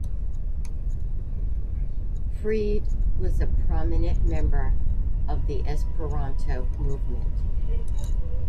Fried was a prominent member of the Esperanto-movement.